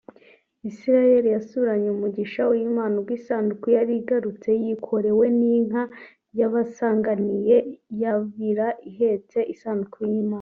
Israel yasubiranye umugisha w’Imana ubwo isanduku yari igarutse yikorewe n’inka yabasanganiye yabira ihetse isanduku y’Imana